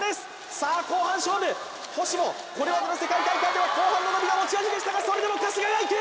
さあ後半勝負星もこれまでの世界大会では後半の伸びが持ち味でしたがそれでも春日がいく！